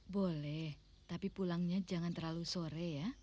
boleh tapi pulangnya jangan terlalu sore ya